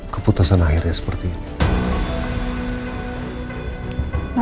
keputusan akhirnya seperti ini